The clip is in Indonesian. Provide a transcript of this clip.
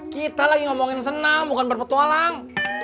kita lagi ngomongin senam bukan berpetualang